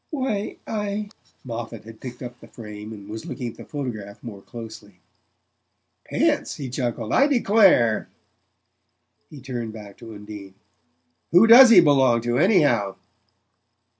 "Why, I " Moffatt had picked up the frame and was looking at the photograph more closely. "Pants!" he chuckled. "I declare!" He turned back to Undine. "Who DOES he belong to, anyhow?"